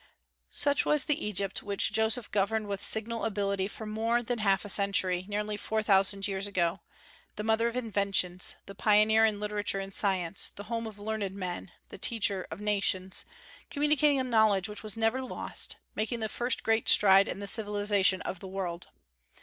Such was the Egypt which Joseph governed with signal ability for more than half a century, nearly four thousand years ago, the mother of inventions, the pioneer in literature and science, the home of learned men, the teacher of nations, communicating a knowledge which was never lost, making the first great stride in the civilization of the world.